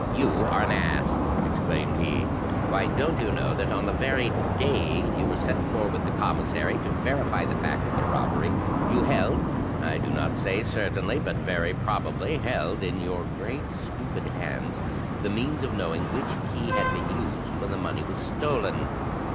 " You are an ass! " exclaimed APPLIED PRINCIPLES I07 he. "Why, don't you know that on the very day you were sent for with the commissary to verify the fact of the robbery, you held — I do not say certainly, but very probably held — ^in your great stupid hands the means of knowing which key had been used when the money was stolen."